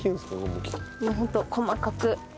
もうホント細かく。